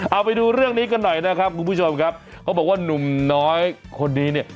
เอาไปดูเรื่องนี้กันหน่อยนะครับคุณผู้ชมครับเขาบอกว่าหนุ่มน้อยคนนี้เนี่ย